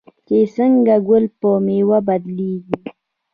چې څنګه ګل په میوه بدلیږي.